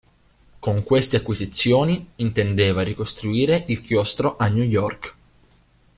Con queste acquisizioni intendeva ricostruire il chiostro a New York.